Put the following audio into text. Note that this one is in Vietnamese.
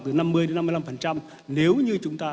từ năm mươi đến năm mươi năm phần trăm nếu như chúng ta